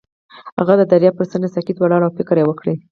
هغه د دریاب پر څنډه ساکت ولاړ او فکر وکړ.